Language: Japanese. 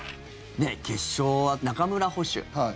決勝は中村捕手。